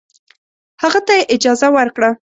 هغه ته یې اجازه ورکړه.